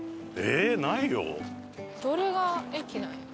どれが駅なんやろ？